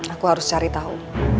aku harus cari tahu